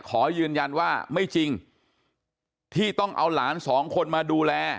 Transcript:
ขอยืนยันว่าไม่จริงที่ต้องเอาหลานสองคนมาดูแล